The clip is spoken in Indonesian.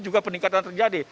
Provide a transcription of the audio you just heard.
juga peningkatan terjadi